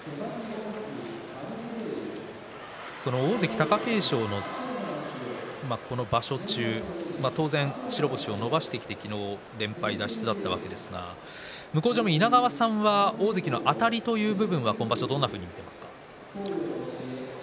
大関貴景勝のこの場所中当然、白星を伸ばしてきて昨日、連敗脱出だったわけですが向正面の稲川さんは大関のあたりという部分は今場所どういうふうに見ていますか。